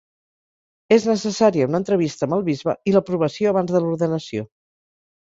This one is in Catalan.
És necessària una entrevista amb el bisbe i l'aprovació abans de l'ordenació.